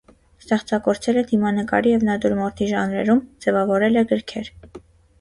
Ստեղծագործել է դիմանկարի և նատյուրմորտի ժանրերում, ձևավորել է գրքեր։